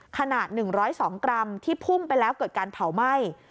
ขนาด๑๐๒กรัมที่พุ่งไปแล้วเกิดการเผาไหม้